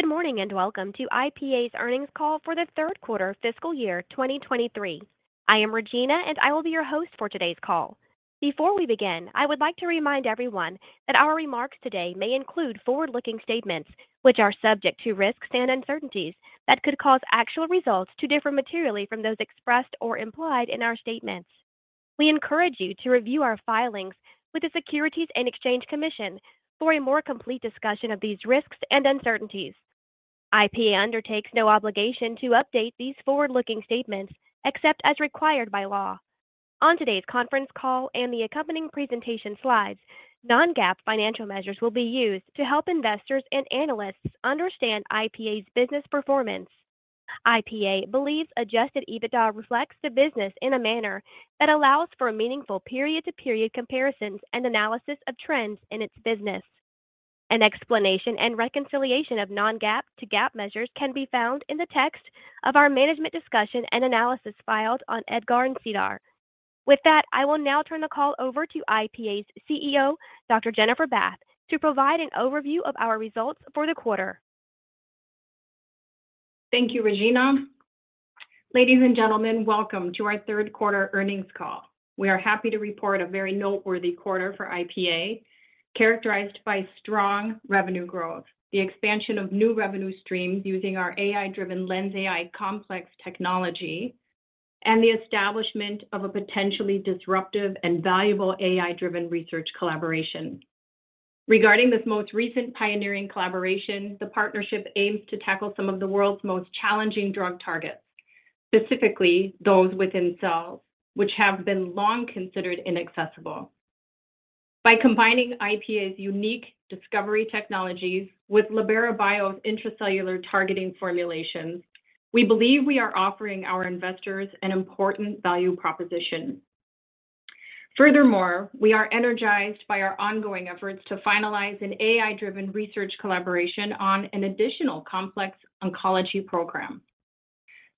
Good morning and welcome to IPA's earnings call for the third quarter fiscal year 2023. I am Regina, and I will be your host for today's call. Before we begin, I would like to remind everyone that our remarks today may include forward-looking statements, which are subject to risks and uncertainties that could cause actual results to differ materially from those expressed or implied in our statements. We encourage you to review our filings with the Securities and Exchange Commission for a more complete discussion of these risks and uncertainties. IPA undertakes no obligation to update these forward-looking statements except as required by law. On today's conference call and the accompanying presentation slides, non-GAAP financial measures will be used to help investors and analysts understand IPA's business performance. IPA believes adjusted EBITDA reflects the business in a manner that allows for meaningful period-to-period comparisons and analysis of trends in its business. An explanation and reconciliation of non-GAAP to GAAP measures can be found in the text of our management discussion and analysis filed on EDGAR and SEDAR. I will now turn the call over to IPA's CEO, Dr. Jennifer Bath, to provide an overview of our results for the quarter. Thank you, Regina. Ladies and gentlemen, welcome to our third quarter earnings call. We are happy to report a very noteworthy quarter for IPA, characterized by strong revenue growth, the expansion of new revenue streams using our AI-driven LENSai complex technology, and the establishment of a potentially disruptive and valuable AI-driven research collaboration. Regarding this most recent pioneering collaboration, the partnership aims to tackle some of the world's most challenging drug targets, specifically those within cells which have been long considered inaccessible. By combining IPA's unique discovery technologies with Libera Bio's intracellular targeting formulations, we believe we are offering our investors an important value proposition. Furthermore, we are energized by our ongoing efforts to finalize an AI-driven research collaboration on an additional complex oncology program.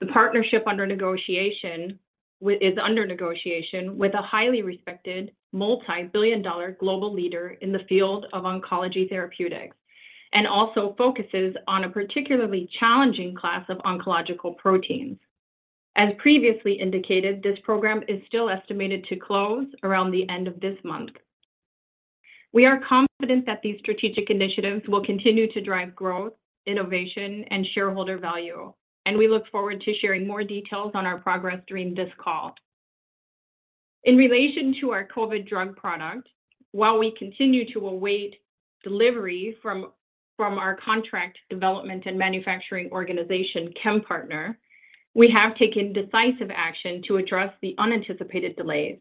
The partnership under negotiation is under negotiation with a highly respected multi-billion dollar global leader in the field of oncology therapeutics, and also focuses on a particularly challenging class of oncological proteins. As previously indicated, this program is still estimated to close around the end of this month. We are confident that these strategic initiatives will continue to drive growth, innovation, and shareholder value, and we look forward to sharing more details on our progress during this call. In relation to our COVID drug product, while we continue to await delivery from our contract development and manufacturing organization, ChemPartner, we have taken decisive action to address the unanticipated delays.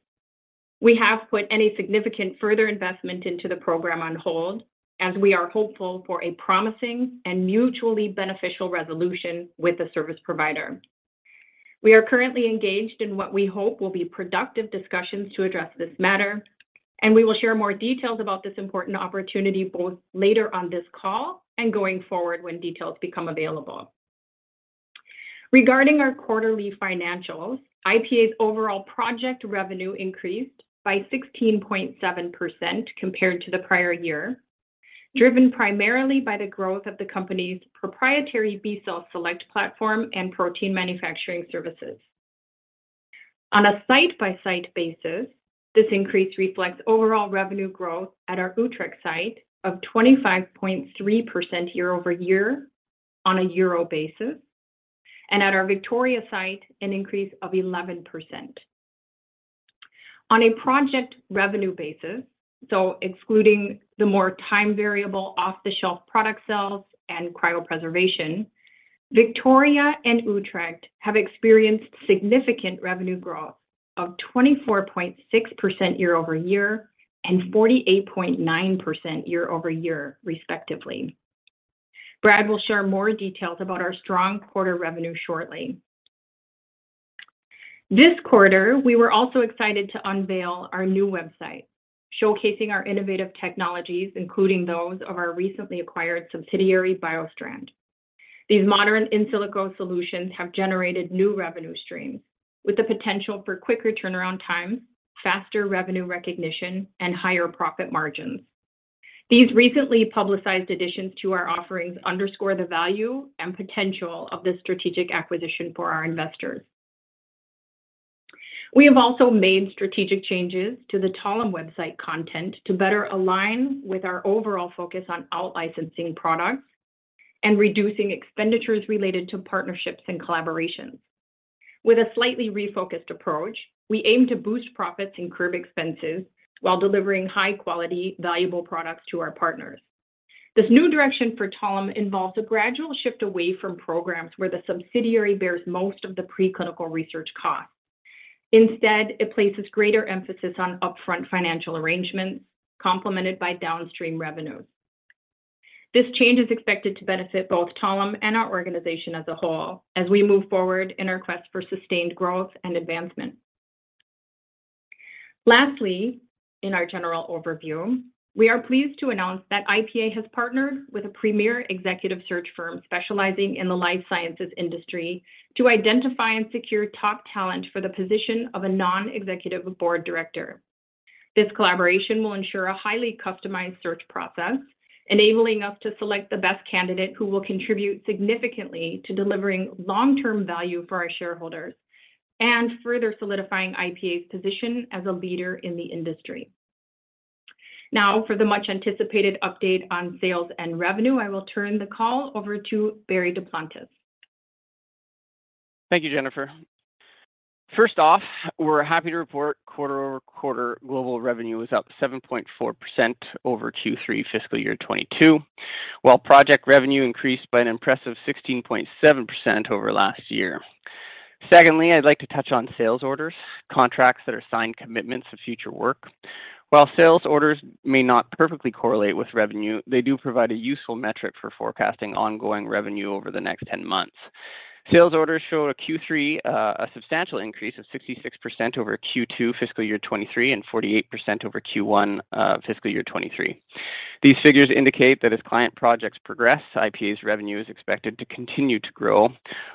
We have put any significant further investment into the program on hold as we are hopeful for a promising and mutually beneficial resolution with the service provider. We are currently engaged in what we hope will be productive discussions to address this matter, and we will share more details about this important opportunity both later on this call and going forward when details become available. Regarding our quarterly financials, IPA's overall project revenue increased by 16.7% compared to the prior year, driven primarily by the growth of the company's proprietary B cell Select platform and protein manufacturing services. On a site-by-site basis, this increase reflects overall revenue growth at our Utrecht site of 25.3% year-over-year on a euro basis, and at our Victoria site, an increase of 11%. On a project revenue basis, excluding the more time variable off-the-shelf product sales and cryopreservation, Victoria and Utrecht have experienced significant revenue growth of 24.6% year-over-year and 48.9% year-over-year, respectively. Brad will share more details about our strong quarter revenue shortly. This quarter, we were also excited to unveil our new website, showcasing our innovative technologies, including those of our recently acquired subsidiary, BioStrand. These modern in silico solutions have generated new revenue streams with the potential for quicker turnaround times, faster revenue recognition, and higher profit margins. These recently publicized additions to our offerings underscore the value and potential of this strategic acquisition for our investors. We have also made strategic changes to the Talem website content to better align with our overall focus on out-licensing products and reducing expenditures related to partnerships and collaborations. With a slightly refocused approach, we aim to boost profits and curb expenses while delivering high-quality, valuable products to our partners. This new direction for Talem involves a gradual shift away from programs where the subsidiary bears most of the preclinical research costs. Instead, it places greater emphasis on upfront financial arrangements complemented by downstream revenues. This change is expected to benefit both Talem and our organization as a whole as we move forward in our quest for sustained growth and advancement. In our general overview, we are pleased to announce that IPA has partnered with a premier executive search firm specializing in the life sciences industry to identify and secure top talent for the position of a non-executive board director. This collaboration will ensure a highly customized search process, enabling us to select the best candidate who will contribute significantly to delivering long-term value for our shareholders and further solidifying IPA's position as a leader in the industry. For the much-anticipated update on sales and revenue, I will turn the call over to Barry Duplantis. Thank you, Jennifer. First off, we're happy to report quarter-over-quarter global revenue was up 7.4% over Q3 fiscal year 2022, while project revenue increased by an impressive 16.7% over last year. Secondly, I'd like to touch on sales orders, contracts that are signed commitments of future work. While sales orders may not perfectly correlate with revenue, they do provide a useful metric for forecasting ongoing revenue over the next 10 months. Sales orders show a Q3, a substantial increase of 66% over Q2 fiscal year 2023 and 48% over Q1 fiscal year 2023. These figures indicate that as client projects progress, IPA's revenue is expected to continue to grow.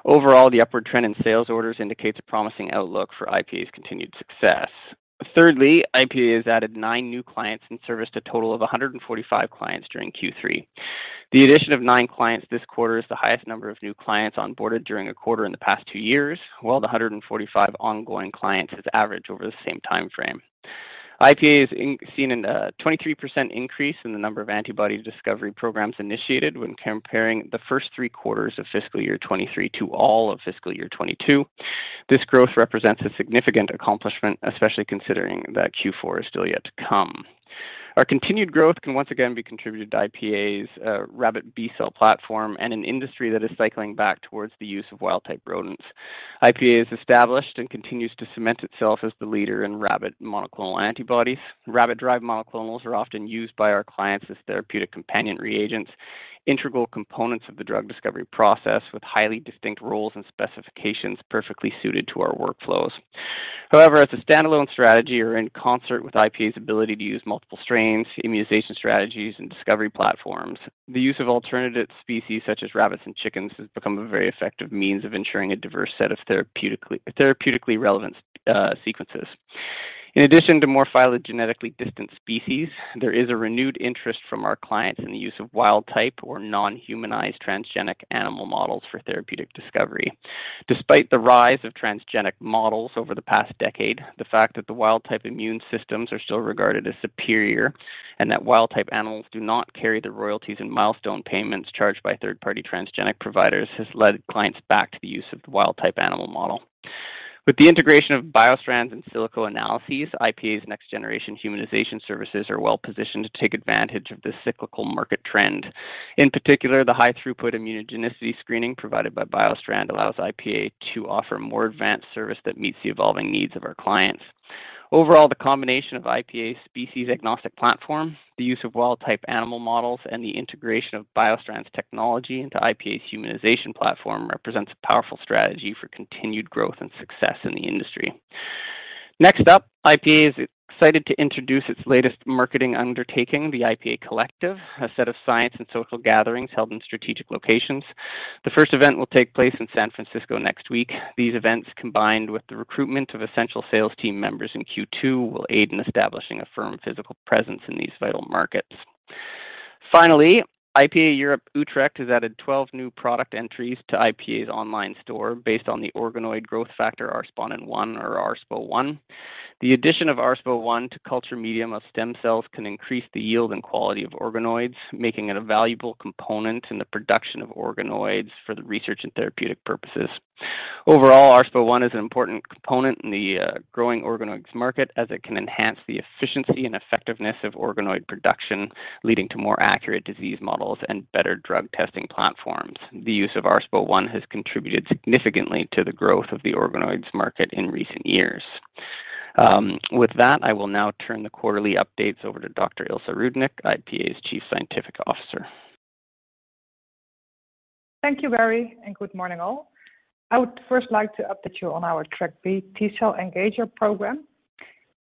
Overall, the upward trend in sales orders indicates a promising outlook for IPA's continued success. Thirdly, IPA has added nine new clients and serviced a total of 145 clients during Q3. The addition of 9 clients this quarter is the highest number of new clients onboarded during a quarter in the past 2 years, while the 145 ongoing clients has averaged over the same time frame. IPA has seen a 23% increase in the number of antibody discovery programs initiated when comparing the first 3 quarters of fiscal year 2023 to all of fiscal year 2022. This growth represents a significant accomplishment, especially considering that Q4 is still yet to come. Our continued growth can once again be contributed to IPA's Rabbit B-cell platform and an industry that is cycling back towards the use of wild-type rodents. IPA is established and continues to cement itself as the leader in rabbit monoclonal antibodies. Rabbit-derived monoclonals are often used by our clients as therapeutic companion reagents, integral components of the drug discovery process with highly distinct roles and specifications perfectly suited to our workflows. However, as a standalone strategy or in concert with IPA's ability to use multiple strains, immunization strategies, and discovery platforms, the use of alternative species such as rabbits and chickens has become a very effective means of ensuring a diverse set of therapeutically relevant sequences. In addition to more phylogenetically distant species, there is a renewed interest from our clients in the use of wild-type or non-humanized transgenic animal models for therapeutic discovery. Despite the rise of transgenic models over the past decade, the fact that the wild-type immune systems are still regarded as superior and that wild-type animals do not carry the royalties and milestone payments charged by third-party transgenic providers has led clients back to the use of the wild-type animal model. With the integration of BioStrand's in silico analyses, IPA's next generation humanization services are well-positioned to take advantage of this cyclical market trend. In particular, the high throughput immunogenicity screening provided by BioStrand allows IPA to offer more advanced service that meets the evolving needs of our clients. Overall, the combination of IPA's species agnostic platform, the use of wild-type animal models, and the integration of BioStrand's technology into IPA's humanization platform represents a powerful strategy for continued growth and success in the industry. Next up, IPA is excited to introduce its latest marketing undertaking, the IPA Collective, a set of science and social gatherings held in strategic locations. The first event will take place in San Francisco next week. These events, combined with the recruitment of essential sales team members in Q2, will aid in establishing a firm physical presence in these vital markets. Finally, IPA Europe Utrecht has added 12 new product entries to IPA's online store based on the organoid growth factor R-Spondin 1, or RSPO1. The addition of RSPO1 to culture medium of stem cells can increase the yield and quality of organoids, making it a valuable component in the production of organoids for the research and therapeutic purposes. Overall, RSPO1 is an important component in the growing organoid market as it can enhance the efficiency and effectiveness of organoid production, leading to more accurate disease models and better drug testing platforms. The use of RSPO1 has contributed significantly to the growth of the organoid market in recent years. With that, I will now turn the quarterly updates over to Dr. Ilse Roodink, IPA's Chief Scientific Officer. Thank you, Barry. Good morning, all. I would first like to update you on our TrkB T-cell engager program.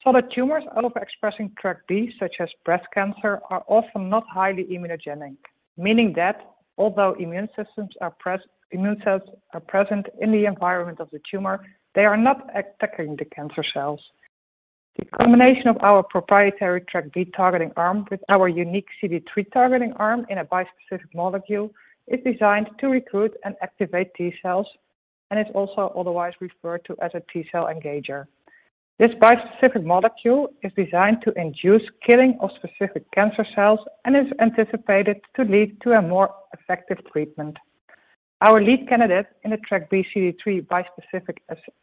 Solid tumors out of expressing TrkB, such as breast cancer, are often not highly immunogenic, meaning that although immune cells are present in the environment of the tumor, they are not attacking the cancer cells. The combination of our proprietary TrkB targeting arm with our unique CD3 targeting arm in a bispecific molecule is designed to recruit and activate T-cells, and it's also otherwise referred to as a T-cell engager. This bispecific molecule is designed to induce killing of specific cancer cells and is anticipated to lead to a more effective treatment. Our lead candidate in the TrkB CD3 bispecific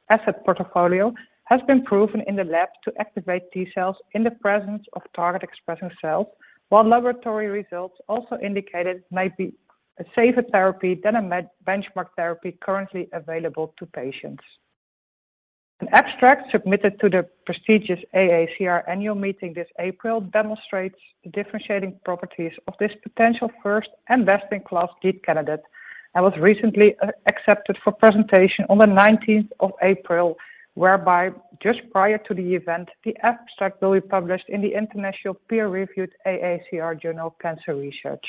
asset portfolio has been proven in the lab to activate T-cells in the presence of target expressing cells, while laboratory results also indicated it might be a safer therapy than a benchmark therapy currently available to patients. An abstract submitted to the prestigious AACR annual meeting this April demonstrates the differentiating properties of this potential first and best-in-class lead candidate and was recently accepted for presentation on the 19th of April, whereby just prior to the event, the abstract will be published in the international peer-reviewed AACR journal Cancer Research.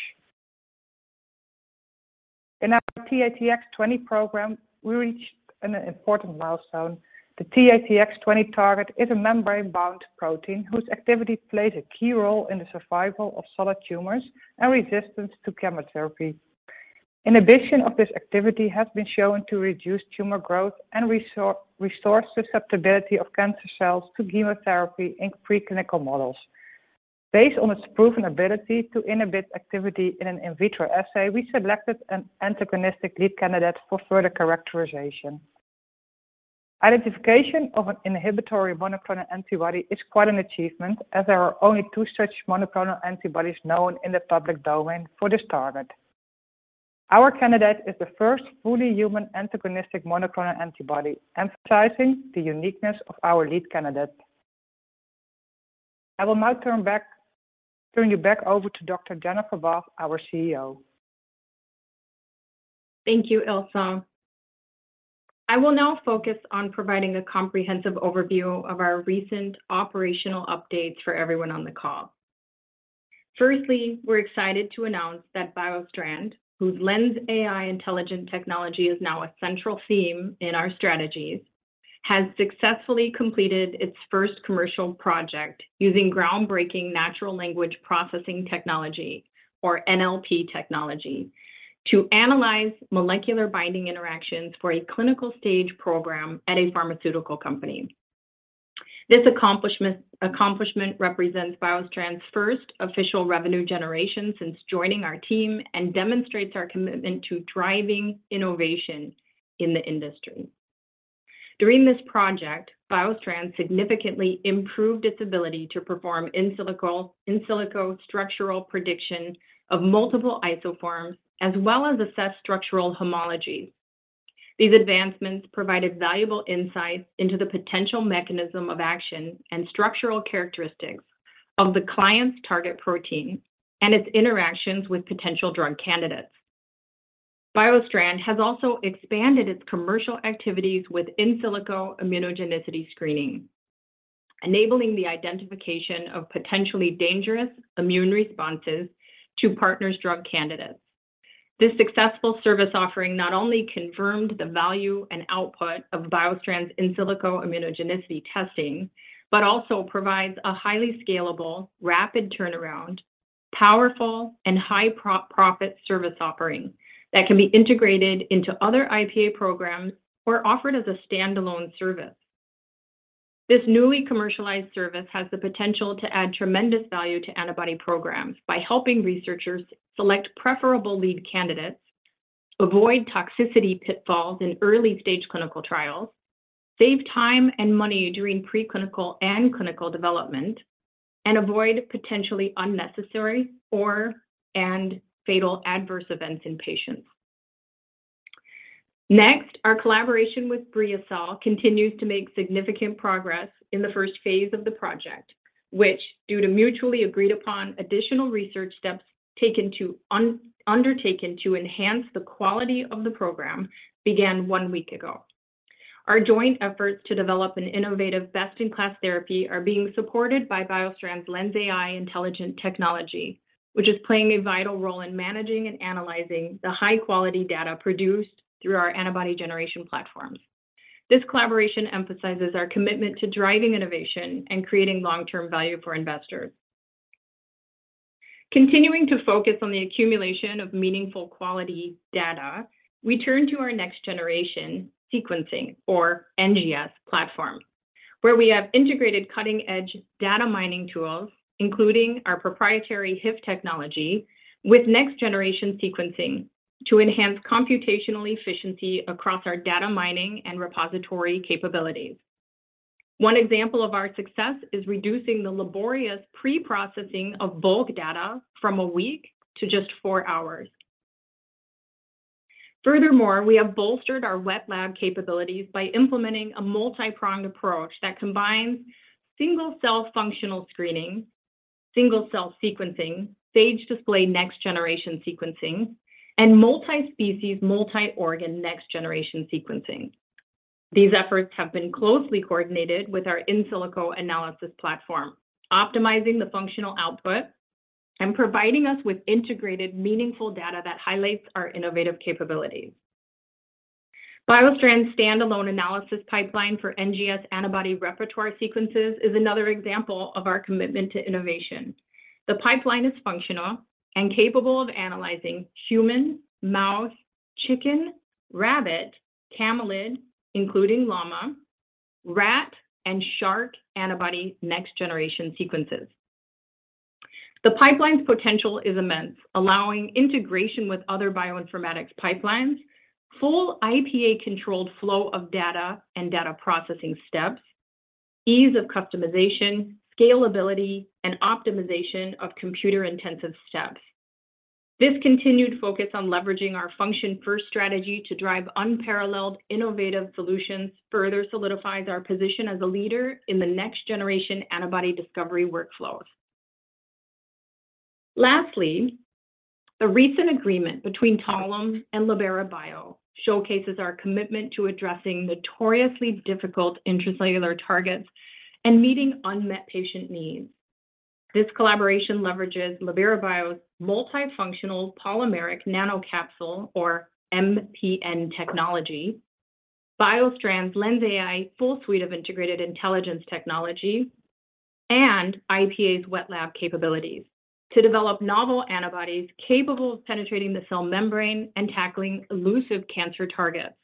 In our TATX-20 program, we reached an important milestone. The TATX-20 target is a membrane-bound protein whose activity plays a key role in the survival of solid tumors and resistance to chemotherapy. Inhibition of this activity has been shown to reduce tumor growth and restore susceptibility of cancer cells to chemotherapy in preclinical models. Based on its proven ability to inhibit activity in an in vitro assay, we selected an antagonistic lead candidate for further characterization. Identification of an inhibitory monoclonal antibody is quite an achievement, as there are only two such monoclonal antibodies known in the public domain for this target. Our candidate is the first fully human antagonistic monoclonal antibody, emphasizing the uniqueness of our lead candidate. I will now turn you back over to Dr. Jennifer Bath, our CEO. Thank you, Ilse. I will now focus on providing a comprehensive overview of our recent operational updates for everyone on the call. Firstly, we're excited to announce that BioStrand, whose LENSai intelligent technology is now a central theme in our strategies, has successfully completed its first commercial project using groundbreaking natural language processing technology, or NLP technology, to analyze molecular binding interactions for a clinical stage program at a pharmaceutical company. This accomplishment represents BioStrand's first official revenue generation since joining our team and demonstrates our commitment to driving innovation in the industry. During this project, BioStrand significantly improved its ability to perform in silico structural prediction of multiple isoforms, as well as assess structural homology. These advancements provided valuable insights into the potential mechanism of action and structural characteristics of the client's target protein and its interactions with potential drug candidates. BioStrand has also expanded its commercial activities with in silico immunogenicity screening, enabling the identification of potentially dangerous immune responses to partners drug candidates. This successful service offering not only confirmed the value and output of BioStrand's in silico immunogenicity testing, but also provides a highly scalable, rapid turnaround, powerful, and high pro-profit service offering that can be integrated into other IPA programs or offered as a standalone service. This newly commercialized service has the potential to add tremendous value to antibody programs by helping researchers select preferable lead candidates, avoid toxicity pitfalls in early-stage clinical trials, save time and money during preclinical and clinical development, and avoid potentially unnecessary or and fatal adverse events in patients. Next, our collaboration with BriaCell continues to make significant progress in the first phase of the project, which, due to mutually agreed upon additional research steps taken to undertaken to enhance the quality of the program, began one week ago. Our joint efforts to develop an innovative best-in-class therapy are being supported by BioStrand's LENSai intelligent technology, which is playing a vital role in managing and analyzing the high-quality data produced through our antibody generation platforms. This collaboration emphasizes our commitment to driving innovation and creating long-term value for investors. Continuing to focus on the accumulation of meaningful quality data, we turn to our next-generation sequencing, or NGS platform, where we have integrated cutting-edge data mining tools, including our proprietary HIF technology, with next-generation sequencing to enhance computational efficiency across our data mining and repository capabilities. One example of our success is reducing the laborious pre-processing of bulk data from a week to just 4 hours. Furthermore, we have bolstered our wet lab capabilities by implementing a multi-pronged approach that combines single-cell functional screening, single-cell sequencing, phage display next-generation sequencing, and multi-species, multi-organ next-generation sequencing. These efforts have been closely coordinated with our in silico analysis platform, optimizing the functional output and providing us with integrated, meaningful data that highlights our innovative capabilities. BioStrand's standalone analysis pipeline for NGS antibody repertoire sequences is another example of our commitment to innovation. The pipeline is functional and capable of analyzing human, mouse, chicken, rabbit, camelid, including llama, rat, and shark antibody next-generation sequences. The pipeline's potential is immense, allowing integration with other bioinformatics pipelines, full IPA-controlled flow of data and data processing steps, ease of customization, scalability, and optimization of computer-intensive steps. This continued focus on leveraging our function-first strategy to drive unparalleled innovative solutions further solidifies our position as a leader in the next-generation antibody discovery workflows. Lastly, the recent agreement between Talem and Libera Bio showcases our commitment to addressing notoriously difficult intracellular targets and meeting unmet patient needs. This collaboration leverages Libera Bio's multifunctional polymeric nanocapsule or MPN Technology, BioStrand's LENSai full suite of integrated intelligence technology, and IPA's wet lab capabilities to develop novel antibodies capable of penetrating the cell membrane and tackling elusive cancer targets.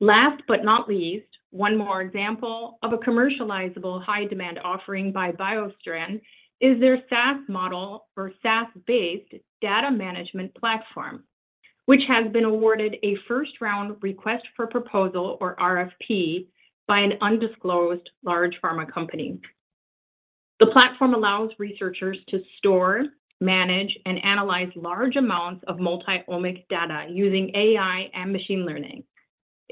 Last but not least, one more example of a commercializable high demand offering by BioStrand is their SaaS model or SaaS-based data management platform, which has been awarded a first round request for proposal or RFP by an undisclosed large pharma company. The platform allows researchers to store, manage, and analyze large amounts of multi-omic data using AI and machine learning.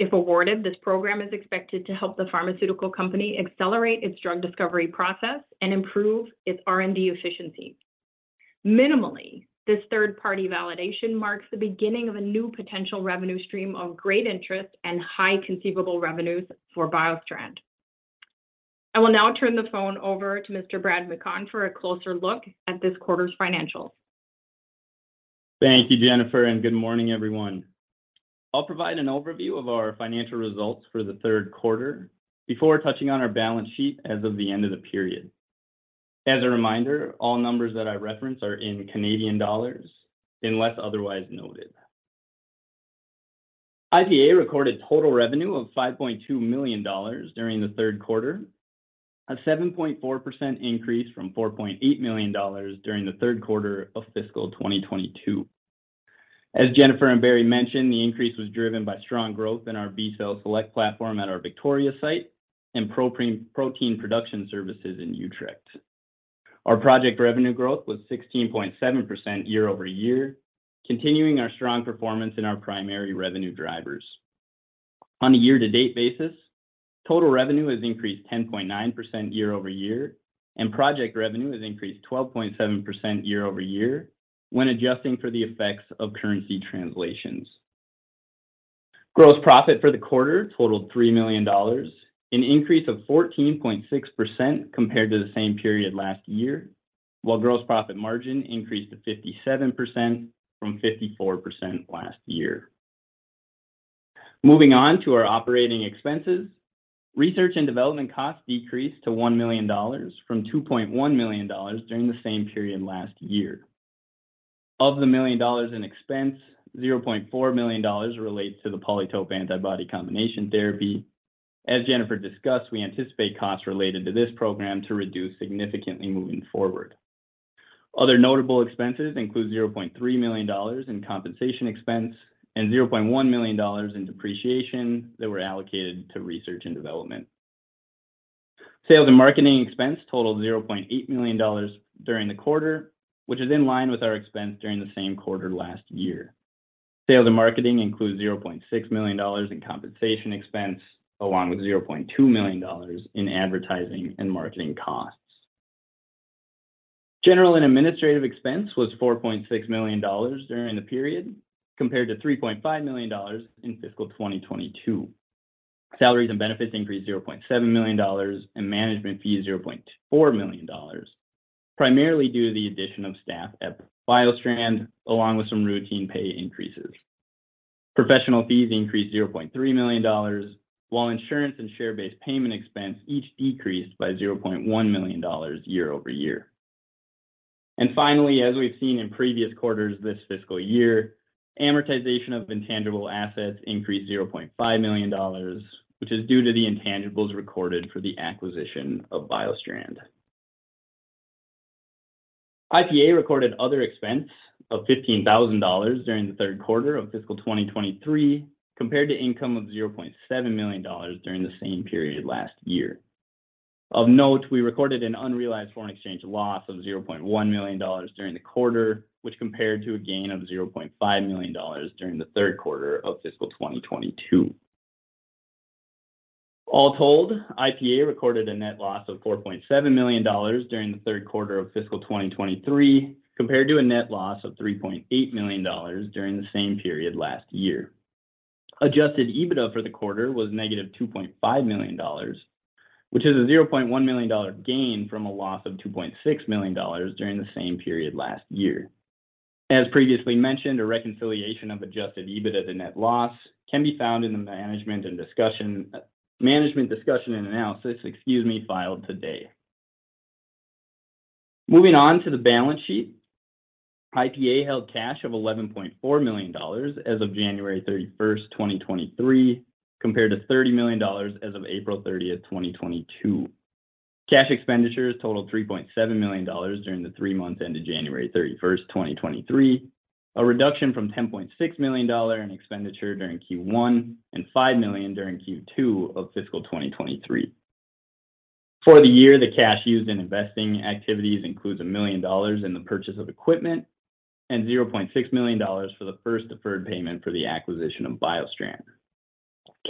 If awarded, this program is expected to help the pharmaceutical company accelerate its drug discovery process and improve its R&D efficiency. Minimally, this third-party validation marks the beginning of a new potential revenue stream of great interest and high conceivable revenues for BioStrand. I will now turn the phone over to Mr. Brad McConn for a closer look at this quarter's financials. Thank you, Jennifer. Good morning, everyone. I'll provide an overview of our financial results for the third quarter before touching on our balance sheet as of the end of the period. As a reminder, all numbers that I reference are in Canadian dollars unless otherwise noted. IPA recorded total revenue of 5.2 million dollars during the third quarter, a 7.4% increase from 4.8 million dollars during the third quarter of fiscal 2022. As Jennifer and Barry mentioned, the increase was driven by strong growth in our B cell Select platform at our Victoria site and protein production services in Utrecht. Our project revenue growth was 16.7% year-over-year, continuing our strong performance in our primary revenue drivers. On a year-to-date basis, total revenue has increased 10.9% year-over-year, and project revenue has increased 12.7% year-over-year when adjusting for the effects of currency translations. Gross profit for the quarter totaled $3 million, an increase of 14.6% compared to the same period last year, while gross profit margin increased to 57% from 54% last year. Moving on to our operating expenses, research and development costs decreased to $1 million from $2.1 million during the same period last year. Of the $1 million in expense, $0.4 million relates to the PolyTope antibody combination therapy. As Jennifer discussed, we anticipate costs related to this program to reduce significantly moving forward. Other notable expenses include $0.3 million in compensation expense and $0.1 million in depreciation that were allocated to research and development. Sales and marketing expense totaled $0.8 million during the quarter, which is in line with our expense during the same quarter last year. Sales and marketing includes $0.6 million in compensation expense, along with $0.2 million in advertising and marketing costs. General and administrative expense was $4.6 million during the period, compared to $3.5 million in fiscal 2022. Salaries and benefits increased $0.7 million and management fees $0.4 million, primarily due to the addition of staff at BioStrand, along with some routine pay increases. Professional fees increased 0.3 million dollars, while insurance and share-based payment expense each decreased by 0.1 million dollars year-over-year. Finally, as we've seen in previous quarters this fiscal year, amortization of intangible assets increased 0.5 million dollars, which is due to the intangibles recorded for the acquisition of BioStrand. IPA recorded other expense of 15,000 dollars during the third quarter of fiscal 2023, compared to income of 0.7 million dollars during the same period last year. Of note, we recorded an unrealized foreign exchange loss of 0.1 million dollars during the quarter, which compared to a gain of 0.5 million dollars during the third quarter of fiscal 2022. All told, IPA recorded a net loss of $4.7 million during the third quarter of fiscal 2023, compared to a net loss of $3.8 million during the same period last year. Adjusted EBITDA for the quarter was -$2.5 million, which is a $0.1 million gain from a loss of $2.6 million during the same period last year. As previously mentioned, a reconciliation of Adjusted EBITDA to net loss can be found in the management discussion and analysis, excuse me, filed today. Moving on to the balance sheet, IPA held cash of $11.4 million as of January 31st, 2023, compared to $30 million as of April 30th, 2022. Cash expenditures totaled $3.7 million during the 3 months ended January 31, 2023, a reduction from $10.6 million in expenditure during Q1 and $5 million during Q2 of fiscal 2023. For the year, the cash used in investing activities includes $1 million in the purchase of equipment and $0.6 million for the first deferred payment for the acquisition of BioStrand.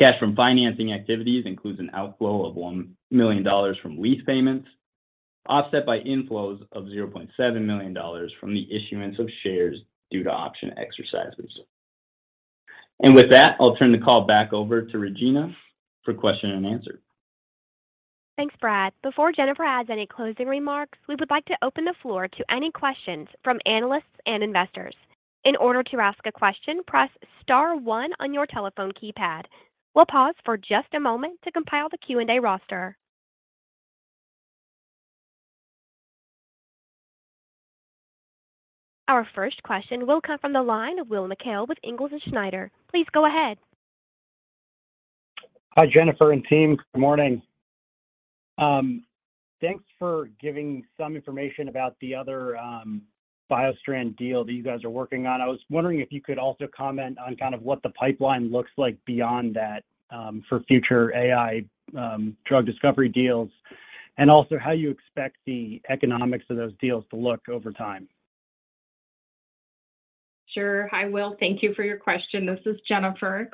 Cash from financing activities includes an outflow of $1 million from lease payments, offset by inflows of $0.7 million from the issuance of shares due to option exercises. With that, I'll turn the call back over to Regina for question and answer. Thanks, Brad. Before Jennifer adds any closing remarks, we would like to open the floor to any questions from analysts and investors. In order to ask a question, press star one on your telephone keypad. We'll pause for just a moment to compile the Q&A roster. Our first question will come from the line of Will McHale with Ingalls & Snyder. Please go ahead. Hi, Jennifer and team. Good morning. Thanks for giving some information about the other BioStrand deal that you guys are working on. I was wondering if you could also comment on kind of what the pipeline looks like beyond that, for future AI drug discovery deals, and also how you expect the economics of those deals to look over time. Sure. Hi, Will. Thank you for your question. This is Jennifer.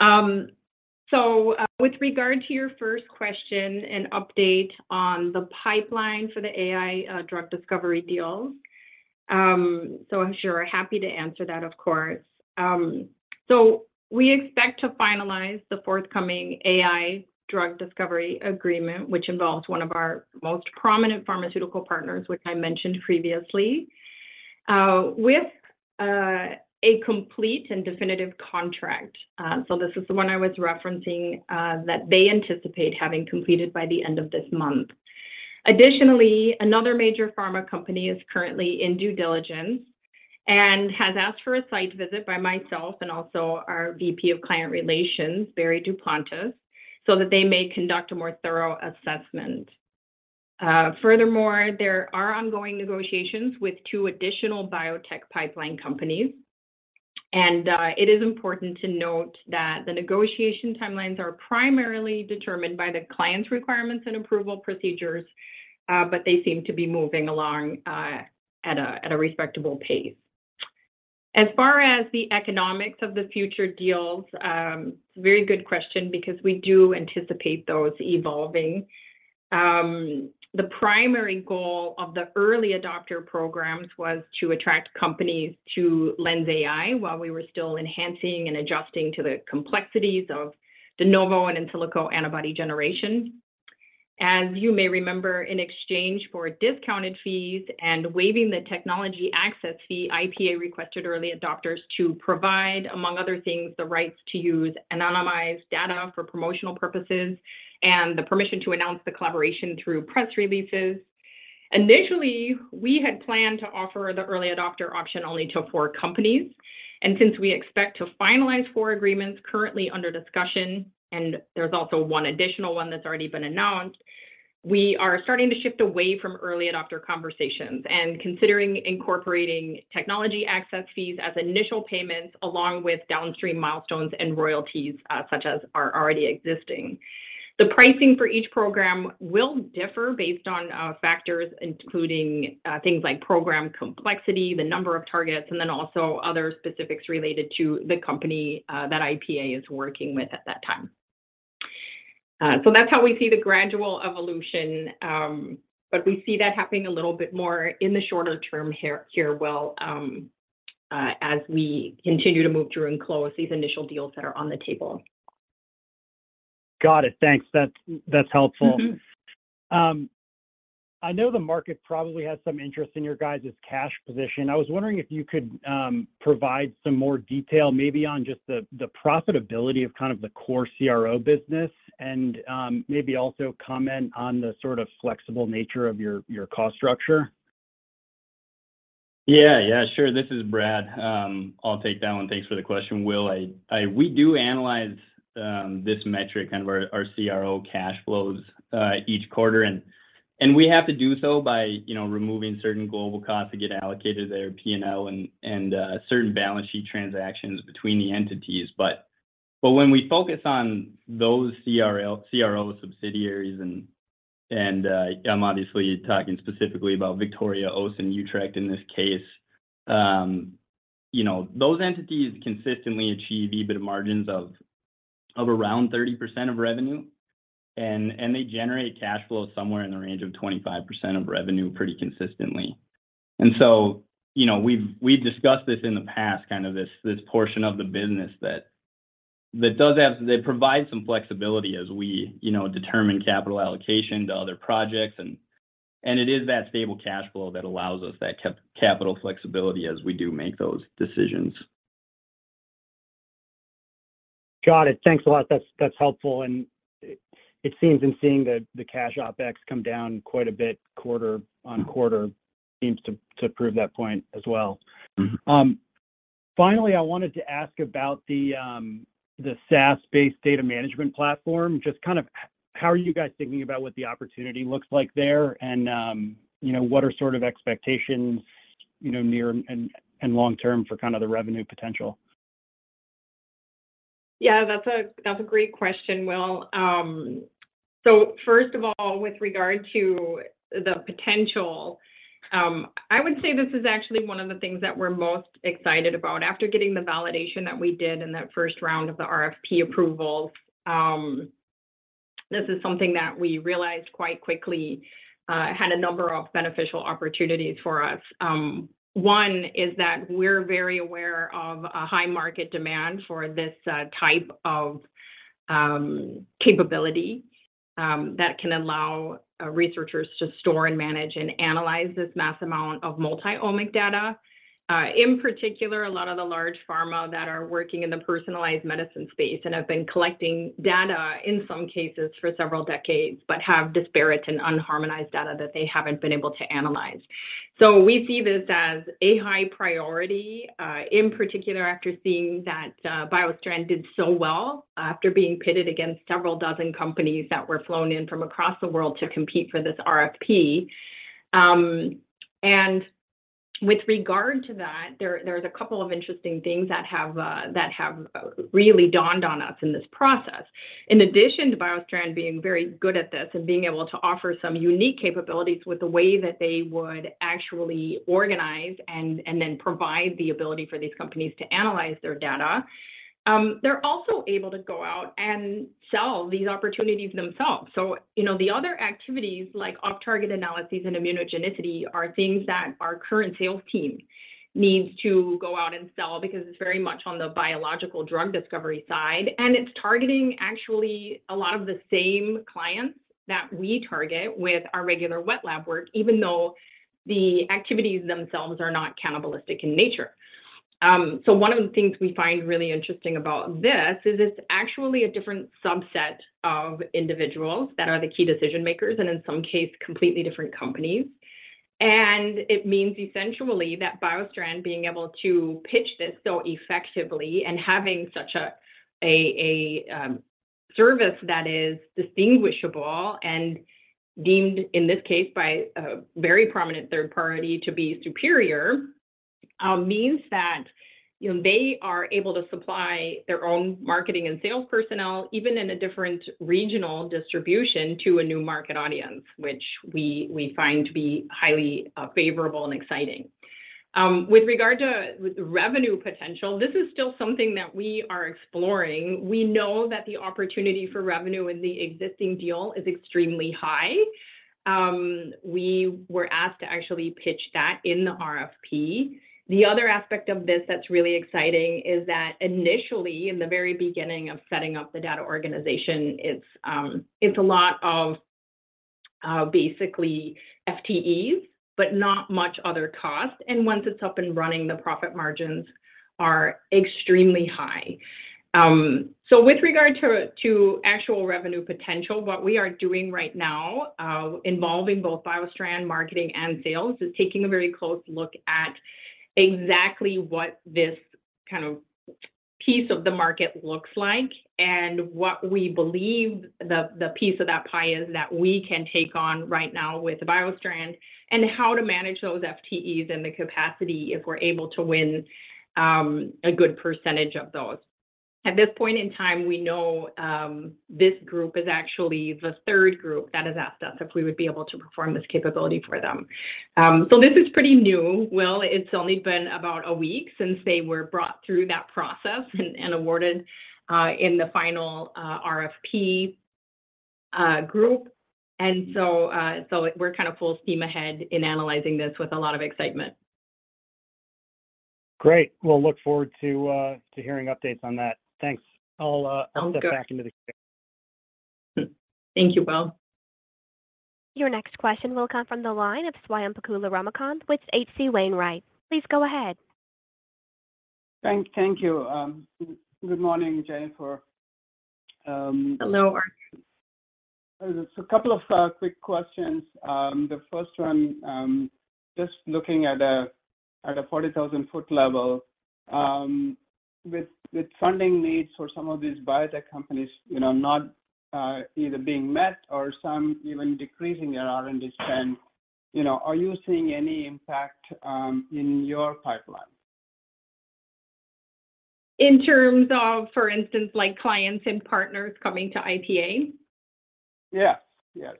With regard to your first question, an update on the pipeline for the AI drug discovery deals, I'm sure happy to answer that, of course. We expect to finalize the forthcoming AI drug discovery agreement, which involves one of our most prominent pharmaceutical partners, which I mentioned previously, with a complete and definitive contract. This is the one I was referencing, that they anticipate having completed by the end of this month. Additionally, another major pharma company is currently in due diligence and has asked for a site visit by myself and also our VP of Client Relations, Barry Duplantis, so that they may conduct a more thorough assessment. Furthermore, there are ongoing negotiations with 2 additional biotech pipeline companies, it is important to note that the negotiation timelines are primarily determined by the client's requirements and approval procedures, but they seem to be moving along at a respectable pace. As far as the economics of the future deals, it's a very good question because we do anticipate those evolving. The primary goal of the early adopter programs was to attract companies to LENSai while we were still enhancing and adjusting to the complexities of de novo and in silico antibody generation. As you may remember, in exchange for discounted fees and waiving the technology access fee, IPA requested early adopters to provide, among other things, the rights to use anonymized data for promotional purposes and the permission to announce the collaboration through press releases. Initially, we had planned to offer the early adopter option only to four companies. Since we expect to finalize four agreements currently under discussion, and there's also one additional one that's already been announced, we are starting to shift away from early adopter conversations and considering incorporating technology access fees as initial payments along with downstream milestones and royalties, such as are already existing. The pricing for each program will differ based on factors including things like program complexity, the number of targets, and then also other specifics related to the company that IPA is working with at that time. That's how we see the gradual evolution, but we see that happening a little bit more in the shorter term here, Will, as we continue to move through and close these initial deals that are on the table. Got it. Thanks. That's helpful. Mm-hmm. I know the market probably has some interest in your guys' cash position. I was wondering if you could provide some more detail maybe on just the profitability of kind of the core CRO business and maybe also comment on the sort of flexible nature of your cost structure. Yeah. Yeah, sure. This is Brad. I'll take that one. Thanks for the question, Will. We do analyze, this metric, kind of our CRO cash flows, each quarter and we have to do so by, you know, removing certain global costs that get allocated to their P&L and certain balance sheet transactions between the entities. When we focus on those CRO subsidiaries and I'm obviously talking specifically about Victoria, Oss, and Utrecht in this case, you know, those entities consistently achieve EBIT margins of around 30% of revenue and they generate cash flow somewhere in the range of 25% of revenue pretty consistently. You know, we've discussed this in the past, kind of this portion of the business that does have. It provides some flexibility as we, you know, determine capital allocation to other projects and it is that stable cash flow that allows us that capital flexibility as we do make those decisions. Got it. Thanks a lot. That's helpful. It seems in seeing the cash OpEx come down quite a bit quarter-on-quarter seems to prove that point as well. Mm-hmm. Finally, I wanted to ask about the SaaS-based data management platform. Just kind of how are you guys thinking about what the opportunity looks like there and, you know, what are sort of expectations, you know, near and long term for kind of the revenue potential? Yeah, that's a great question, Will. First of all, with regard to the potential, I would say this is actually one of the things that we're most excited about after getting the validation that we did in that first round of the RFP approvals. This is something that we realized quite quickly, had a number of beneficial opportunities for us. One is that we're very aware of a high market demand for this type of capability, that can allow researchers to store and manage and analyze this mass amount of multi-omic data. In particular, a lot of the large pharma that are working in the personalized medicine space and have been collecting data, in some cases for several decades, but have disparate and unharmonized data that they haven't been able to analyze. We see this as a high priority, in particular after seeing that BioStrand did so well after being pitted against several dozen companies that were flown in from across the world to compete for this RFP. With regard to that, there's a couple of interesting things that have really dawned on us in this process. In addition to BioStrand being very good at this and being able to offer some unique capabilities with the way that they would actually organize and then provide the ability for these companies to analyze their data, they're also able to go out and sell these opportunities themselves. You know, the other activities like off target analyses and immunogenicity are things that our current sales team needs to go out and sell because it's very much on the biological drug discovery side, and it's targeting actually a lot of the same clients that we target with our regular wet lab work, even though the activities themselves are not cannibalistic in nature. One of the things we find really interesting about this is it's actually a different subset of individuals that are the key decision makers and in some case, completely different companies. It means essentially that BioStrand being able to pitch this so effectively and having such a service that is distinguishable and deemed, in this case by a very prominent third party to be superior, means that, you know, they are able to supply their own marketing and sales personnel, even in a different regional distribution to a new market audience, which we find to be highly favorable and exciting. With regard to the revenue potential, this is still something that we are exploring. We know that the opportunity for revenue in the existing deal is extremely high. We were asked to actually pitch that in the RFP. The other aspect of this that's really exciting is that initially, in the very beginning of setting up the data organization, it's a lot of basically FTEs, but not much other cost. Once it's up and running, the profit margins are extremely high. With regard to actual revenue potential, what we are doing right now, involving both BioStrand marketing and sales, is taking a very close look at exactly what this kind of piece of the market looks like and what we believe the piece of that pie is that we can take on right now with BioStrand and how to manage those FTEs and the capacity if we're able to win a good percentage of those. At this point in time, we know, this group is actually the third group that has asked us if we would be able to perform this capability for them. This is pretty new. Well, it's only been about a week since they were brought through that process and awarded in the final RFP group. We're kind of full steam ahead in analyzing this with a lot of excitement. Great. We'll look forward to hearing updates on that. Thanks. I'll step back into the queue. Thank you, Will. Your next question will come from the line of Swayampakula Ramakanth with H.C. Wainwright & Co. Please go ahead. Thank you. Good morning, Jennifer. Hello. A couple of quick questions. The first one, just looking at a 40,000 foot level, with funding needs for some of these biotech companies, you know, not either being met or some even decreasing their R&D spend, you know, are you seeing any impact in your pipeline? In terms of, for instance, like clients and partners coming to IPA? Yes. Yes.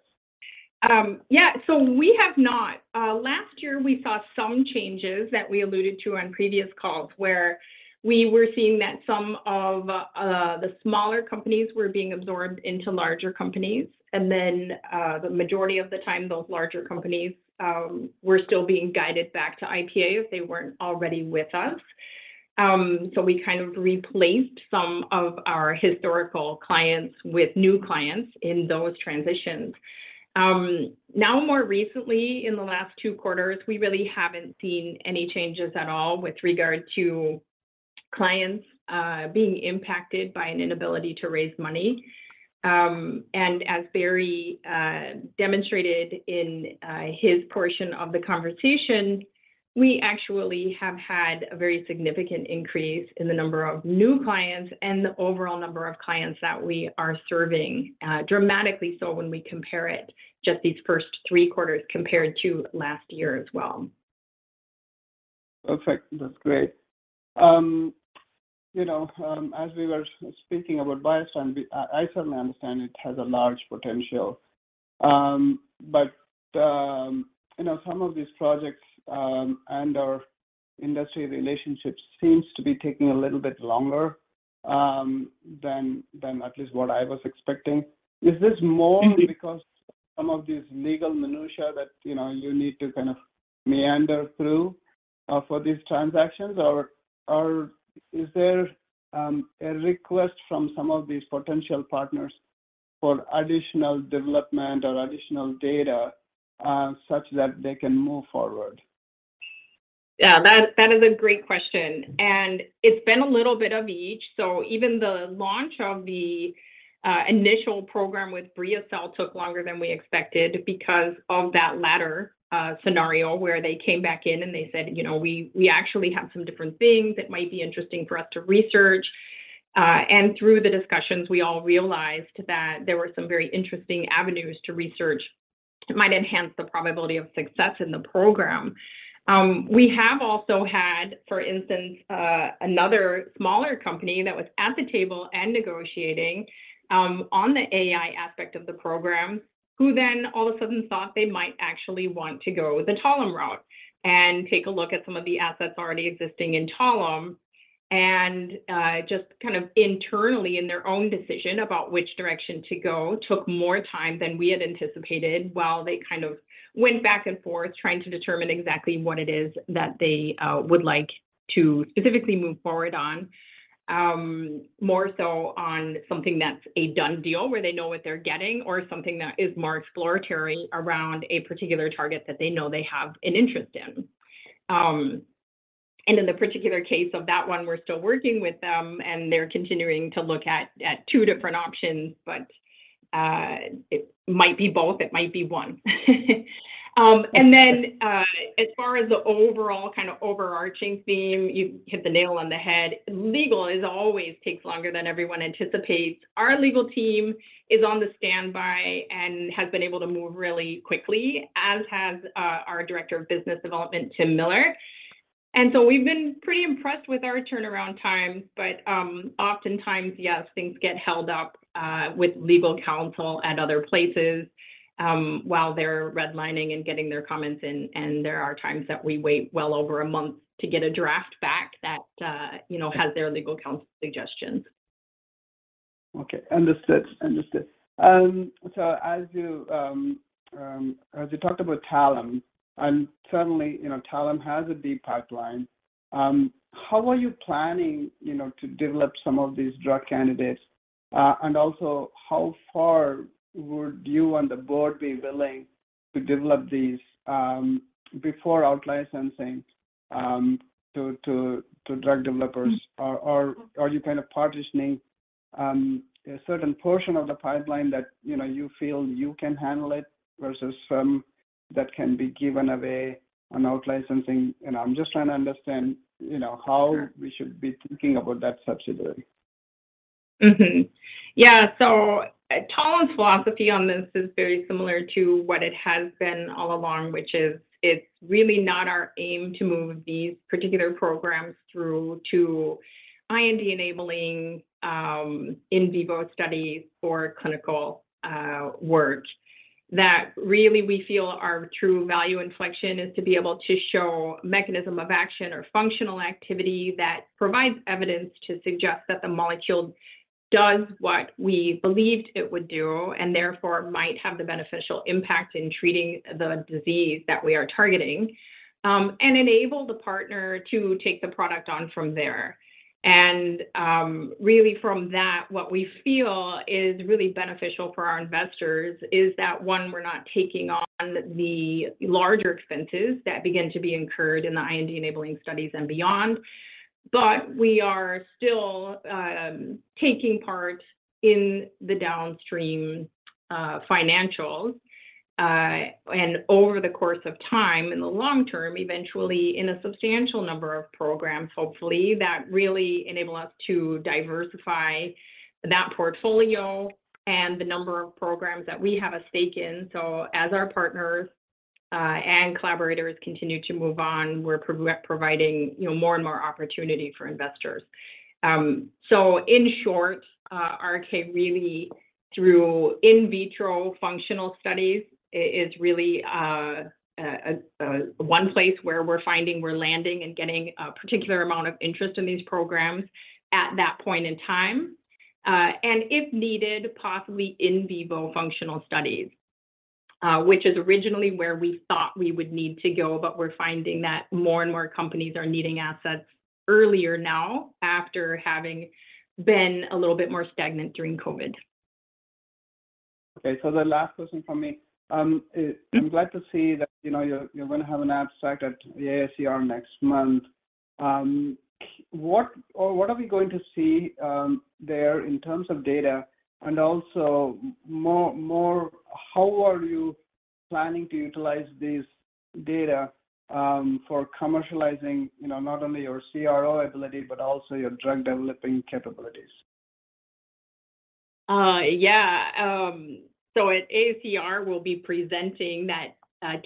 Yeah. We have not. Last year we saw some changes that we alluded to on previous calls where we were seeing that some of the smaller companies were being absorbed into larger companies. The majority of the time, those larger companies were still being guided back to IPA if they weren't already with us. We kind of replaced some of our historical clients with new clients in those transitions. Now more recently in the last two quarters, we really haven't seen any changes at all with regard to clients being impacted by an inability to raise money. As Barry demonstrated in his portion of the conversation, we actually have had a very significant increase in the number of new clients and the overall number of clients that we are serving, dramatically so when we compare it just these first three quarters compared to last year as well. Perfect. That's great. You know, as we were speaking about BioStrand, I certainly understand it has a large potential. You know, some of these projects, and our industry relationships seems to be taking a little bit longer than at least what I was expecting. Is this more because some of these legal minutia that, you know, you need to kind of meander through for these transactions? Or is there a request from some of these potential partners for additional development or additional data such that they can move forward? Yeah, that is a great question, and it's been a little bit of each. Even the launch of the initial program with BriaCell took longer than we expected because of that latter scenario, where they came back in and they said, "You know, we actually have some different things that might be interesting for us to research." Through the discussions, we all realized that there were some very interesting avenues to research that might enhance the probability of success in the program. We have also had, for instance, another smaller company that was at the table and negotiating on the AI aspect of the program, who then all of a sudden thought they might actually want to go the Talem route and take a look at some of the assets already existing in Talem. Just kind of internally in their own decision about which direction to go took more time than we had anticipated while they kind of went back and forth trying to determine exactly what it is that they would like to specifically move forward on. More so on something that's a done deal, where they know what they're getting, or something that is more exploratory around a particular target that they know they have an interest in. In the particular case of that one, we're still working with them, and they're continuing to look at two different options, but it might be both, it might be one. As far as the overall kind of overarching theme, you hit the nail on the head. Legal is always takes longer than everyone anticipates. Our legal team is on the standby and has been able to move really quickly, as has, our Director of Business Development, Tim Miller. We've been pretty impressed with our turnaround time, but oftentimes, yes, things get held up with legal counsel at other places, while they're redlining and getting their comments in, and there are times that we wait well over a month to get a draft back that, you know, has their legal counsel suggestions. Okay. Understood. Understood. As you, as you talked about Talem, and certainly, you know, Talem has a deep pipeline, how are you planning, you know, to develop some of these drug candidates? Also, how far would you and the board be willing to develop these, before out-licensing, to, to drug developers? Or are you kind of partitioning, a certain portion of the pipeline that, you know, you feel you can handle it versus some that can be given away on out-licensing? You know, I'm just trying to understand, you know, how we should be thinking about that subsidiary. Talem's philosophy on this is very similar to what it has been all along, which is it's really not our aim to move these particular programs through to IND-enabling in vivo studies or clinical work. Really we feel our true value inflection is to be able to show mechanism of action or functional activity that provides evidence to suggest that the molecule does what we believed it would do, and therefore might have the beneficial impact in treating the disease that we are targeting, and enable the partner to take the product on from there. Really from that, what we feel is really beneficial for our investors is that, one, we're not taking on the larger expenses that begin to be incurred in the IND-enabling studies and beyond, but we are still taking part in the downstream financials. Over the course of time, in the long term, eventually in a substantial number of programs, hopefully, that really enable us to diversify that portfolio and the number of programs that we have a stake in. As our partners and collaborators continue to move on, we're providing, you know, more and more opportunity for investors. In short, our K really through in vitro functional studies is really one place where we're finding we're landing and getting a particular amount of interest in these programs at that point in time. If needed, possibly in vivo functional studies, which is originally where we thought we would need to go, but we're finding that more and more companies are needing assets earlier now after having been a little bit more stagnant during COVID. The last question from me. I'm glad to see that, you know, you're gonna have an abstract at the AACR next month. What are we going to see there in terms of data? Also more, how are you planning to utilize this data for commercializing, you know, not only your CRO ability, but also your drug developing capabilities? Yeah. At AACR, we'll be presenting that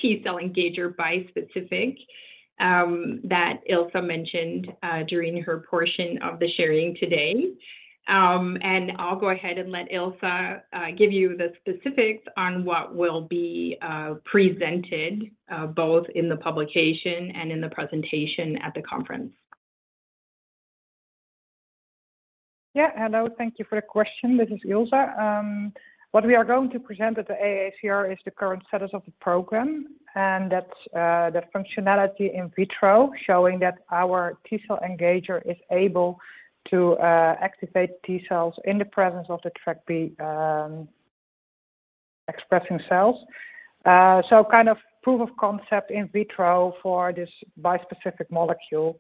T-cell engager bispecific, that Ilse mentioned during her portion of the sharing today. I'll go ahead and let Ilse give you the specifics on what will be presented both in the publication and in the presentation at the conference. Yeah. Hello. Thank you for the question. This is Ilse. What we are going to present at the AACR is the current status of the program, that's the functionality in vitro showing that our T-cell engager is able to activate T-cells in the presence of the TrkB expressing cells. Kind of proof of concept in vitro for this bispecific molecule.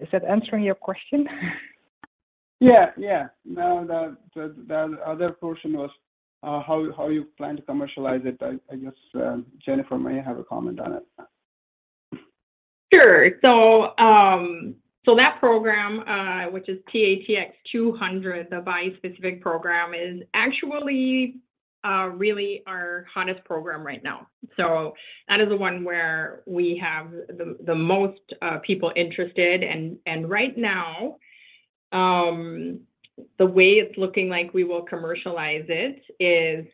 Is that answering your question? Yeah. Yeah. No, the, the other portion was how you plan to commercialize it. I guess Jennifer may have a comment on it. Sure. That program, which is TATX-200, the bispecific program, is actually really our hottest program right now. That is the one where we have the most people interested and right now, the way it's looking like we will commercialize it is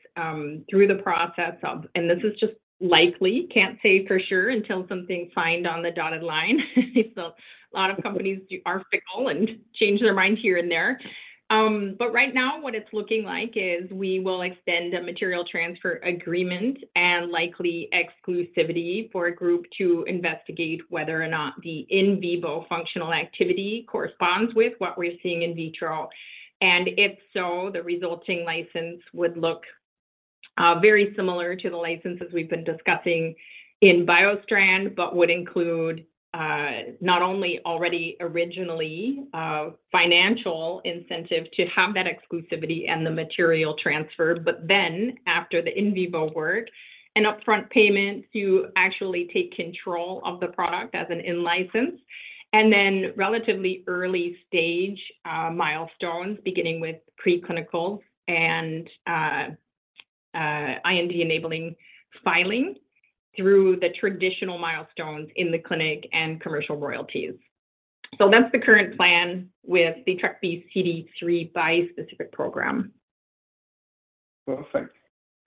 through the process of... This is just likely, can't say for sure until something's signed on the dotted line. A lot of companies are fickle and change their mind here and there. Right now what it's looking like is we will extend a material transfer agreement and likely exclusivity for a group to investigate whether or not the in vivo functional activity corresponds with what we're seeing in vitro. If so, the resulting license would look very similar to the licenses we've been discussing in BioStrand, but would include not only already originally financial incentive to have that exclusivity and the material transfer, but then after the in vivo work, an upfront payment to actually take control of the product as an in-license. Relatively early stage milestones beginning with preclinical and IND enabling filing through the traditional milestones in the clinic and commercial royalties. That's the current plan with the TrkB-CD3 bispecific program. Perfect.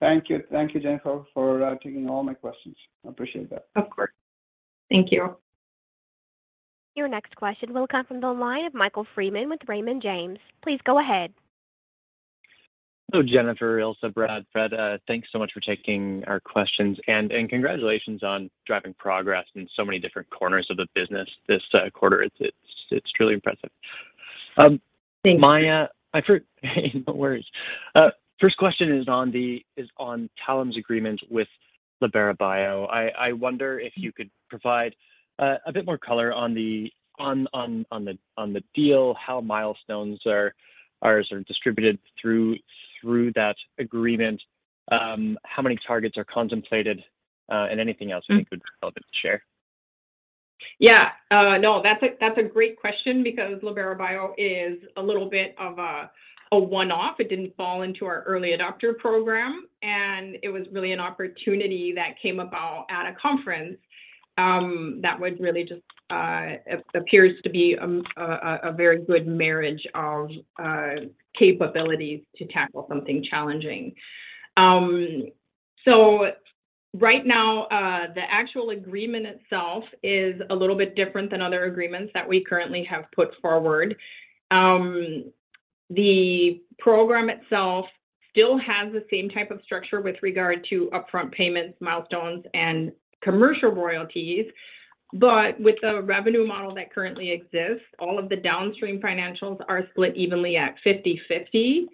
Thank you. Thank you, Jennifer, for taking all my questions. Appreciate that. Of course. Thank you. Your next question will come from the line of Michael Freeman with Raymond James. Please go ahead. Hello, Jennifer, Ilse, Brad, Fred. Thanks so much for taking our questions and congratulations on driving progress in so many different corners of the business this quarter. It's truly impressive. Thank you. No worries. First question is on Talem's agreement with Libera Bio. I wonder if you could provide a bit more color on the deal, how milestones are sort of distributed through that agreement, how many targets are contemplated, and anything else you think would be relevant to share. Yeah. No, that's a great question because Libera Bio is a little bit of a one-off. It didn't fall into our early adopter program. It was really an opportunity that came about at a conference that would really just appears to be a very good marriage of capabilities to tackle something challenging. Right now, the actual agreement itself is a little bit different than other agreements that we currently have put forward. The program itself still has the same type of structure with regard to upfront payments, milestones, and commercial royalties, but with the revenue model that currently exists, all of the downstream financials are split evenly at 50/50.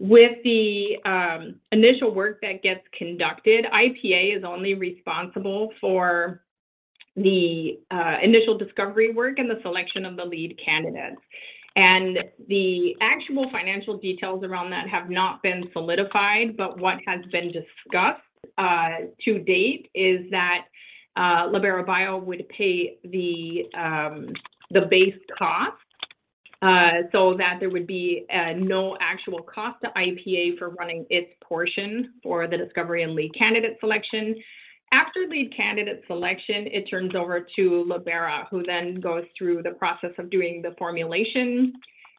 With the initial work that gets conducted, IPA is only responsible for the initial discovery work and the selection of the lead candidates. The actual financial details around that have not been solidified, but what has been discussed to date is that Libera Bio would pay the base cost so that there would be no actual cost to IPA for running its portion for the discovery and lead candidate selection. After lead candidate selection, it turns over to Libera, who then goes through the process of doing the formulation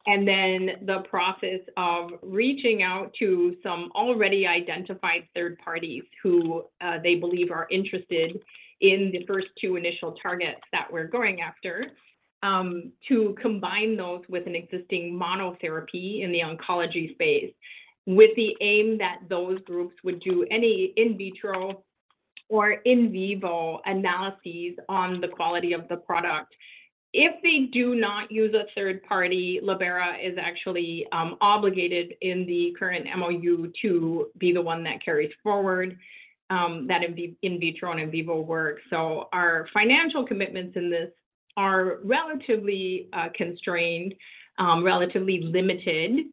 and then the process of reaching out to some already identified third parties who they believe are interested in the first two initial targets that we're going after to combine those with an existing monotherapy in the oncology space with the aim that those groups would do any in vitro or in vivo analyses on the quality of the product. If they do not use a third party, Libera is actually obligated in the current MOU to be the one that carries forward, that in vitro and in vivo work. Our financial commitments in this are relatively constrained, relatively limited,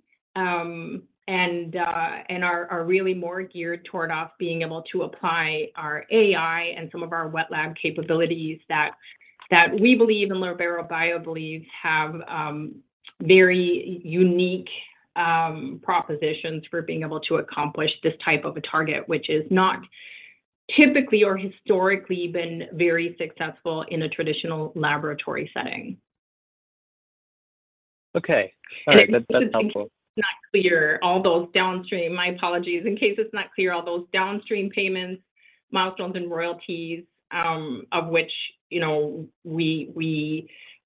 and are really more geared toward us being able to apply our AI and some of our wet lab capabilities that we believe and Libera Bio believes have very unique propositions for being able to accomplish this type of a target, which is not typically or historically been very successful in a traditional laboratory setting. Okay. All right. That's helpful. In case it's not clear, all those downstream payments, milestones, and royalties, of which, you know, we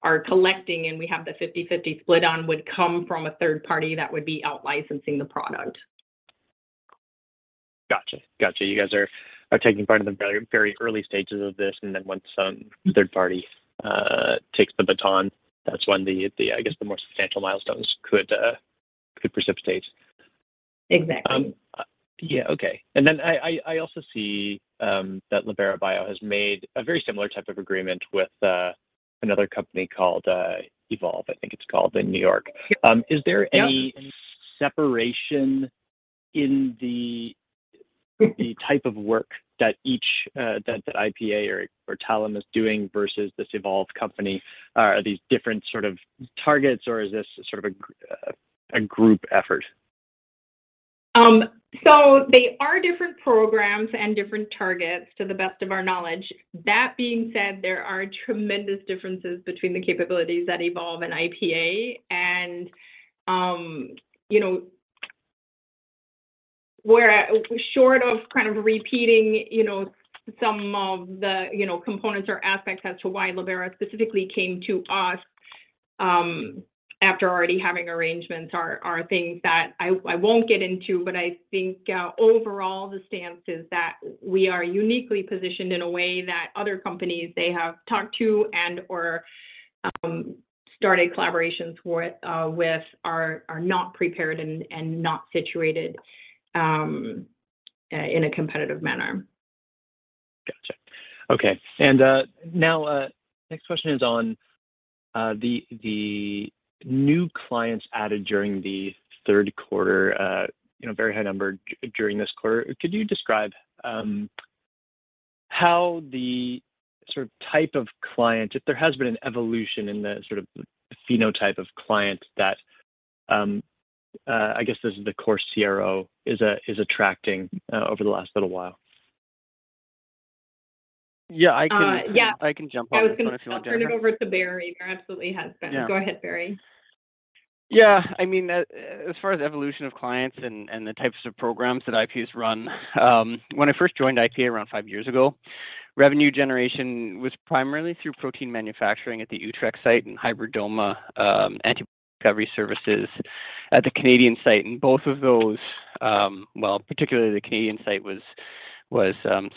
are collecting and we have the 50/50 split on, would come from a third party that would be out licensing the product. Gotcha. Gotcha. You guys are taking part in the very, very early stages of this, and then once some third party takes the baton, that's when the, I guess the more substantial milestones could precipitate. Exactly. Yeah. Okay. I also see, that Libera Bio has made a very similar type of agreement with, another company called, Evolve, I think it's called, in New York. Yeah. Is there any separation in the type of work that each that IPA or Talem is doing versus this Evolve company? Are these different sort of targets, or is this sort of a group effort? They are different programs and different targets to the best of our knowledge. That being said, there are tremendous differences between the capabilities that Evolve and IPA and, you know, short of kind of repeating, you know, some of the, you know, components or aspects as to why Libera specifically came to us, after already having arrangements are things that I won't get into. I think, overall, the stance is that we are uniquely positioned in a way that other companies they have talked to and/or started collaborations with are not prepared and not situated in a competitive manner. Gotcha. Okay. Now, next question is on the new clients added during the third quarter, you know, very high number during this quarter. Could you describe how the sort of type of client, if there has been an evolution in the sort of the phenotype of client that, I guess as the core CRO is attracting over the last little while? Yeah. Yeah, I can jump on this one if you want, Dana. I was gonna turn it over to Barry. There absolutely has been. Yeah. Go ahead, Barry. I mean, as far as evolution of clients and the types of programs that IPA's run, when I first joined IPA around five years ago, revenue generation was primarily through protein manufacturing at the Utrecht site and hybridoma antibody recovery services at the Canadian site. Both of those, well, particularly the Canadian site was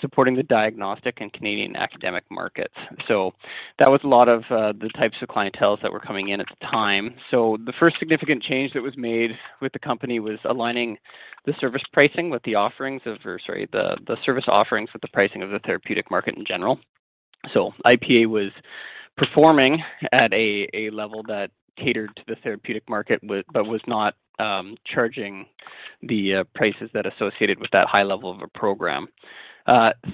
supporting the diagnostic and Canadian academic markets. That was a lot of the types of clienteles that were coming in at the time. The first significant change that was made with the company was aligning the service pricing with the offerings of, or sorry, the service offerings with the pricing of the therapeutic market in general. IPA was performing at a level that catered to the therapeutic market with, but was not, charging the prices that associated with that high level of a program.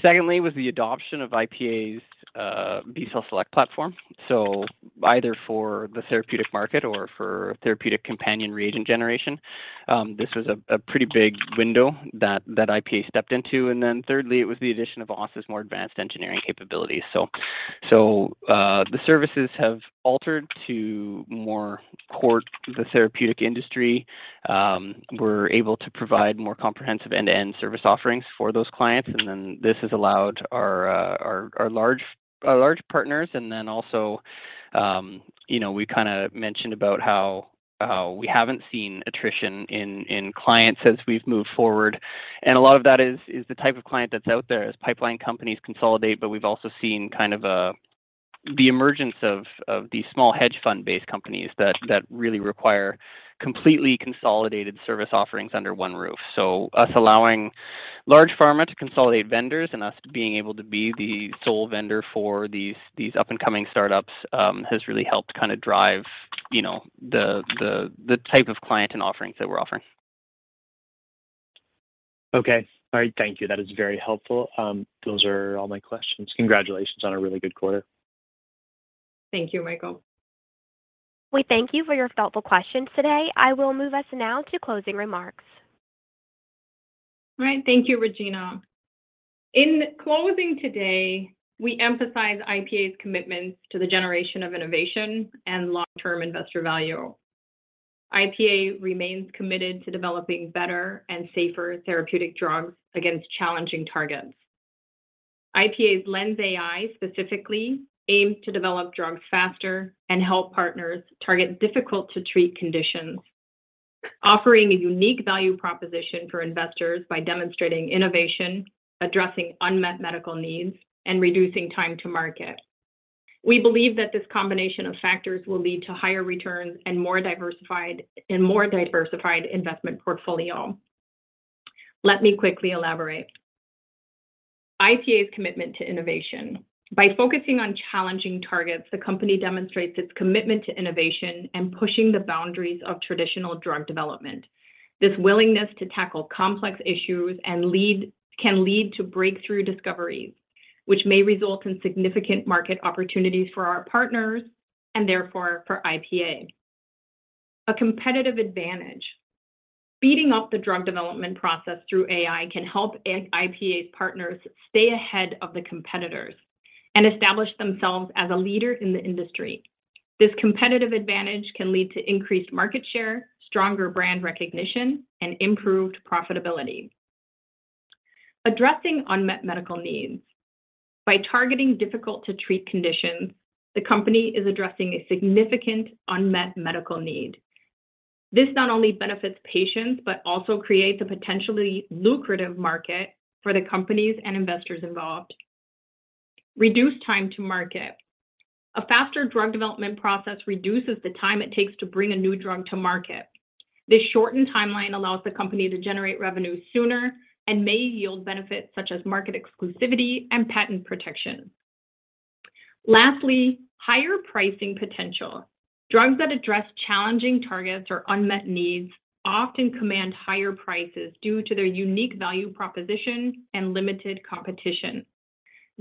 Secondly, was the adoption of IPA's B cell Select platform. Either for the therapeutic market or for therapeutic companion reagent generation, this was a pretty big window that IPA stepped into. Thirdly, it was the addition of OSE more advanced engineering capabilities. The services have altered to more core to the therapeutic industry. We're able to provide more comprehensive end-to-end service offerings for those clients. This has allowed our large partners. Also, you know, we kinda mentioned about how we haven't seen attrition in clients as we've moved forward. A lot of that is the type of client that's out there as pipeline companies consolidate, but we've also seen kind of a, the emergence of these small hedge fund-based companies that really require completely consolidated service offerings under one roof. Us allowing large pharma to consolidate vendors and us being able to be the sole vendor for these up-and-coming startups has really helped kinda drive, you know, the type of client and offerings that we're offering. Okay. All right. Thank you. That is very helpful. Those are all my questions. Congratulations on a really good quarter. Thank you, Michael. We thank you for your thoughtful questions today. I will move us now to closing remarks. All right. Thank you, Regina. In closing today, we emphasize IPA's commitments to the generation of innovation and long-term investor value. IPA remains committed to developing better and safer therapeutic drugs against challenging targets. IPA's LENSai specifically aims to develop drugs faster and help partners target difficult to treat conditions, offering a unique value proposition for investors by demonstrating innovation, addressing unmet medical needs, and reducing time to market. We believe that this combination of factors will lead to higher returns and more diversified investment portfolio. Let me quickly elaborate. IPA's commitment to innovation. By focusing on challenging targets, the company demonstrates its commitment to innovation and pushing the boundaries of traditional drug development. This willingness to tackle complex issues can lead to breakthrough discoveries, which may result in significant market opportunities for our partners and therefore for IPA. A competitive advantage. Speeding up the drug development process through AI can help NIPH partners stay ahead of the competitors and establish themselves as a leader in the industry. This competitive advantage can lead to increased market share, stronger brand recognition, and improved profitability. Addressing unmet medical needs. By targeting difficult to treat conditions, the company is addressing a significant unmet medical need. This not only benefits patients, but also creates a potentially lucrative market for the companies and investors involved. Reduce time to market. A faster drug development process reduces the time it takes to bring a new drug to market. This shortened timeline allows the company to generate revenue sooner and may yield benefits such as market exclusivity and patent protection. Lastly, higher pricing potential. Drugs that address challenging targets or unmet needs often command higher prices due to their unique value proposition and limited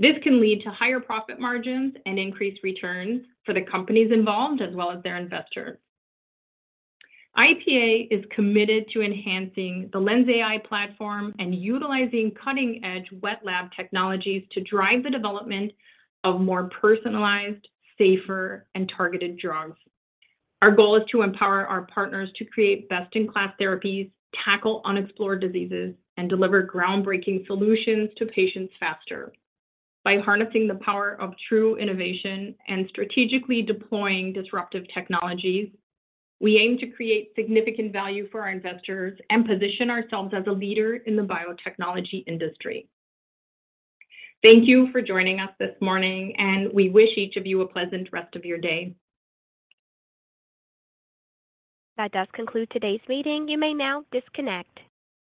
competition. This can lead to higher profit margins and increased returns for the companies involved as well as their investors. IPA is committed to enhancing the LENSai platform and utilizing cutting-edge wet lab technologies to drive the development of more personalized, safer, and targeted drugs. Our goal is to empower our partners to create best-in-class therapies, tackle unexplored diseases, and deliver groundbreaking solutions to patients faster. By harnessing the power of true innovation and strategically deploying disruptive technologies, we aim to create significant value for our investors and position ourselves as a leader in the biotechnology industry. Thank you for joining us this morning, and we wish each of you a pleasant rest of your day. That does conclude today's meeting. You may now disconnect.